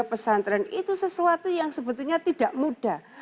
menembusi dengan dunia pesan tren itu sesuatu yang sebetulnya tidak mudah